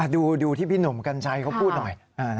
ดูที่พี่หนุ่มกัญชัยเขาพูดหน่อย